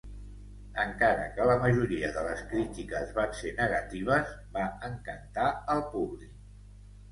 Encara que la majoria de les crítiques van ser negatives, va encantar al públic.